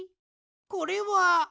これは。